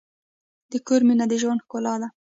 د کور مینه د ژوند ښکلا ده.